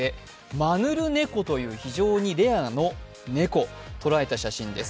マヌルネコという非常にレアな猫をとらえた写真です。